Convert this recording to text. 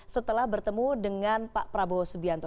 setelah bertemu dengan pak prabowo subianto